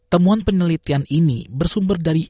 temuan penelitian ini bersumber dari